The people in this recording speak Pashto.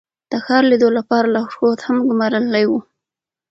د ښار لیدو لپاره لارښود هم ګمارلی و.